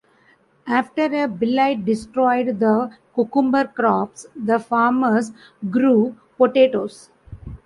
After a blight destroyed the cucumber crops, the farmers grew potatoes.